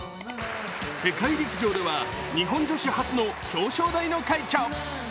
世界陸上では、日本女子初の表彰台の快挙。